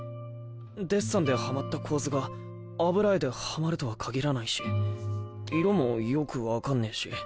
デッサンではまった構図が油絵ではまるとはかぎらないし色もよく分かんねぇし。